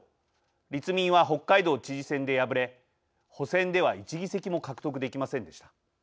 立民は北海道知事選で敗れ補選では１議席も獲得できませんでした。